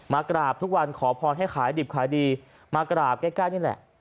กราบทุกวันขอพรให้ขายดิบขายดีมากราบใกล้นี่แหละ